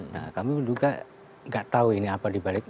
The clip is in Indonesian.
nah kami juga gak tahu ini apa dibalik